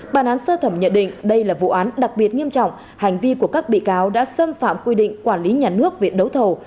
bản án sơ thẩm nhận định đây là vụ án đặc biệt nghiêm trọng hành vi của các bị cáo đã xâm phạm quy định quản lý nhà nước về đấu thầu